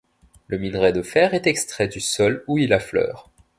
Le minerai de fer est extrait du sol où il affleure.